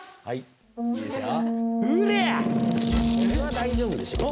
これは大丈夫でしょう。